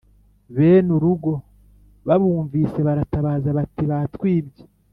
Bene urugo babumvise baratabaza bati: "Batwibye